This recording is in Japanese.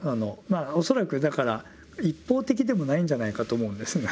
恐らくだから一方的でもないんじゃないかと思うんです。